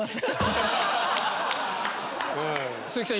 鈴木さん